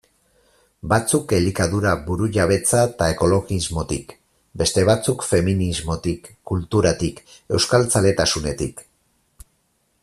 Batzuk elikadura burujabetza eta ekologismotik, beste batzuk feminismotik, kulturatik, euskaltzaletasunetik...